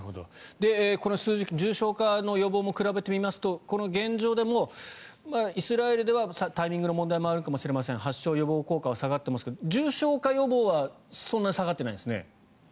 この数字重症化の予防も比べてみるとこの現状でもイスラエルではタイミングの問題もあるかもしれません発症予防効果は下がっていますけど重症化予防はそんなに下がってないですね。